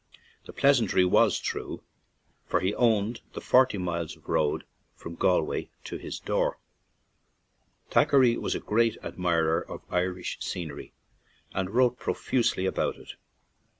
The pleas antry was true, for he owned the forty miles of road from Galway to his own door. 92 RECESS TO GALWAY Thackeray was a great admirer of Irish scenery and wrote profusely about it.